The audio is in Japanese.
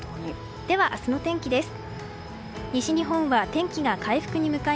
では明日の天気です。